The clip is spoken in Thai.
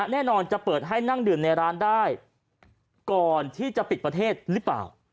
แน่นอนจะเปิดให้นั่งดื่มในร้านได้ก่อนที่จะปิดประเทศหรือเปล่า